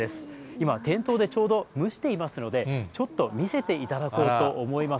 今、店頭でちょうど蒸していますので、ちょっと見せていただこうと思います。